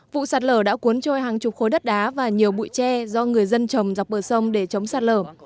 vụ sạt lở đã cuốn trôi hàng chục khối đất đá và nhiều bụi tre do người dân trồng dọc bờ sông để chống sạt lở